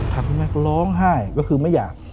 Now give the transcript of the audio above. คุณแม่ก็ร้องไห้ก็คือไม่อยาก